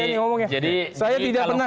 ngomongnya jadi saya tidak pernah